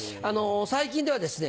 最近ではですね